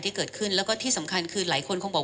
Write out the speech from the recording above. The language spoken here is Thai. หมอมีการไซซ์ซอกคอนั่นคือการตรวจเหรอคะ